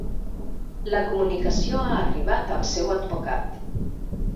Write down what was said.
La comunicació ha arribat al seu advocat